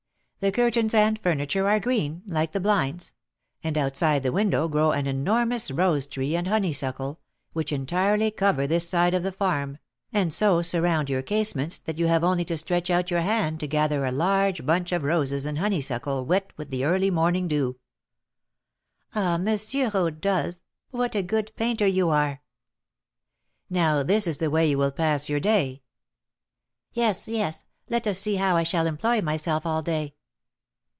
The curtains and furniture are green, like the blinds; and outside the window grow an enormous rose tree and honeysuckle, which entirely cover this side of the farm, and so surround your casements that you have only to stretch out your hand to gather a large bunch of roses and honeysuckle wet with the early morning dew." "Ah, M. Rodolph, what a good painter you are!" "Now this is the way you will pass your day " "Yes, yes, let us see how I shall employ myself all day."